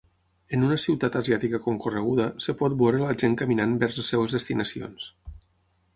en una ciutat asiàtica concorreguda, es pot veure la gent caminant vers les seves destinacions.